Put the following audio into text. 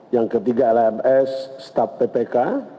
yang ketiga lms staf ppk